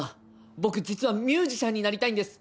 僕実はミュージシャンになりたいんです。